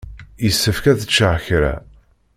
Yessefk ad ččeɣ kra.